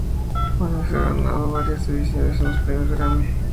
Juanes ha ganado varias ediciones de los premios Grammy.